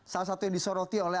salah satu yang disoroti oleh